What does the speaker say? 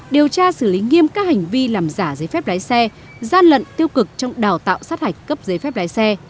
điều tra xử lý nghiêm các hành vi làm giả giấy phép lái xe gian lận tiêu cực trong đào tạo sát hạch cấp giấy phép lái xe